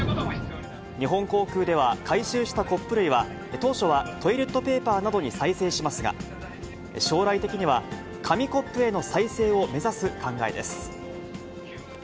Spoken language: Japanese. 日本航空では回収したコップ類は、当初はトイレットペーパーなどに再生しますが、将来的には紙コップへの再生を目指す考えです。